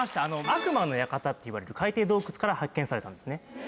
悪魔の館っていわれる海底洞窟から発見されたんですね